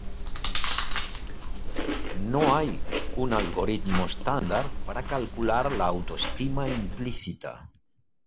No hay un algoritmo estándar para calcular la autoestima implícita.